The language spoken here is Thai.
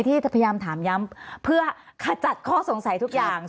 พยายามถามย้ำเพื่อขจัดข้อสงสัยทุกอย่าง